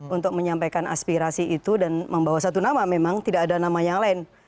untuk menyampaikan aspirasi itu dan membawa satu nama memang tidak ada nama yang lain